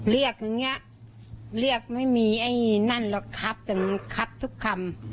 เรียกอย่างเงี้ยเรียกไม่มีไอ้นั่นหรอกครับจนคับทุกคำ